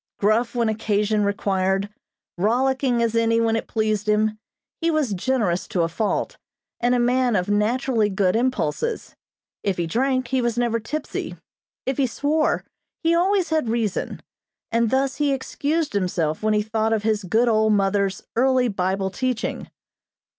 Gruff when occasion required, rollicking as any when it pleased him, he was generous to a fault, and a man of naturally good impulses. If he drank, he was never tipsy; if he swore, he always had reason; and thus he excused himself when he thought of his good old mother's early Bible teaching.